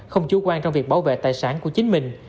không chủ quan trong việc bảo vệ tài sản của chính mình